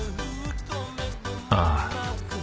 ああ。